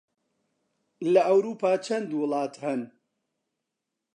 لە ئەورووپا چەند وڵات هەن؟